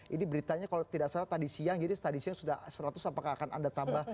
ini beritanya kalau tidak salah tadi siang jadi tadi siang sudah seratus apakah akan anda tambah seratus seratus